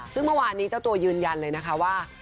ซึ่งเมื่อวานนี้เจ้าตัวยืนยันเลยนะคะว่า